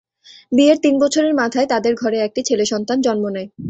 বিয়ের তিন বছরের মাথায় তাঁদের ঘরে একটি ছেলে সন্তান জন্ম নেয়।